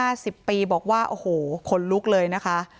อายุ๕๐ปีบอกว่าโอ้โหขนลุกเลยนะคะ